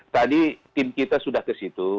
tadi tim kita sudah ke situ